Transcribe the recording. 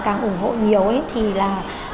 càng ủng hộ nhiều thì là